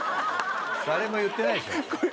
誰も言ってないですよ。